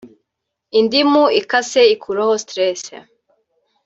Indimu ikase ikuraho stress